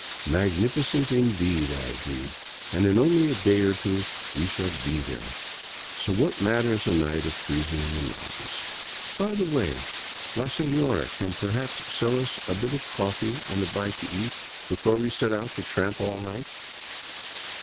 " Magnificent, indeed," I agreed, " and in only a day or two we shall be there. So what matters a night of freezing in the mountains? By the v^^ay, la sefiora can perhaps sell us a bit of coffee and a bite to eat before we set out to tramp all night?